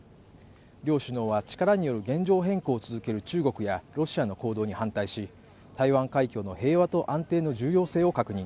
両首脳は力による現状変更を続ける中国やロシアの行動に反対し台湾海峡の平和と安定の重要性を確認